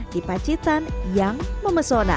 di pacitan yang memesona